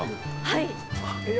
はい！